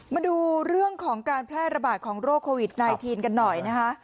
มาดูเรื่องของการแพร่ระบาดของโรคโควิด๑๙กันหน่อยนะคะ